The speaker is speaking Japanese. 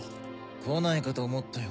来ないかと思ったよ